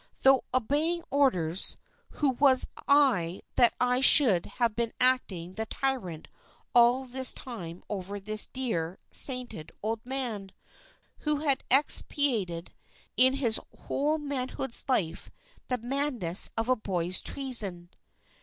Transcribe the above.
Though obeying orders, who was I that I should have been acting the tyrant all this time over this dear, sainted old man, who had expiated, in his whole manhood's life, the madness of a boy's treason."